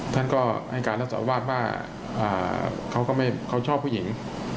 ท่านก็ให้การลักษณะอุบาบว่าอ่าเขาก็ไม่เขาชอบผู้หญิง